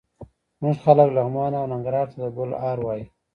زموږ خلک لغمان او ننګرهار ته د ګل هار وايي.